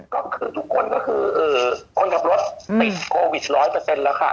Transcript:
ก็คือทุกคนก็คือคนขับรถติดโควิด๑๐๐แล้วค่ะ